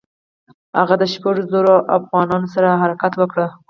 هغه د شپږو زرو اوغانانو سره حرکت وکړ.